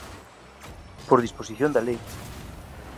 Por disposición da lei.